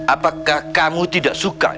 apakah kamu tidak suka